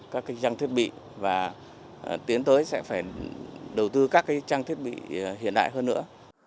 các trang thiết bị và tiến tới sẽ phải đầu tư các trang thiết bị hiện đại hơn nữa